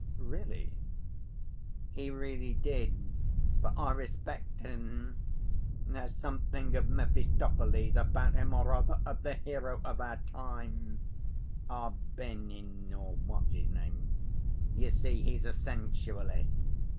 " "Really?" "He really did. But I respect him. There's something of Mephistopheles about him, or rather of 'The hero of our time' ... Arbenin, or what's his name?... You see, he's a sensualist.